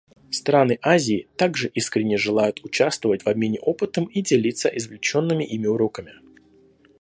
Страны Азии также искренне желают участвовать в обмене опытом и делиться извлеченными ими уроками.